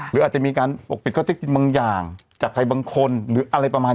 หรืออาจจะมีการปกปิดข้อเท็จจริงบางอย่างจากใครบางคนหรืออะไรประมาณ